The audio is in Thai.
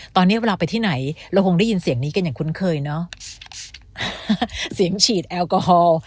ตอนนี้เวลาไปที่ไหนเราคงได้ยินเสียงนี้กันอย่างคุ้นเคยเนอะเสียงฉีดแอลกอฮอล์